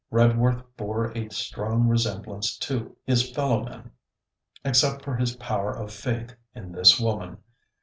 Redworth bore a strong resemblance to, his fellowmen, except for his power of faith in this woman.